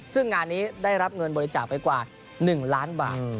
ซึ่งงานนี้ได้รับเงินบริจาคไปกว่า๑ล้านบาท